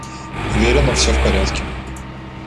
Уверена, все в порядке.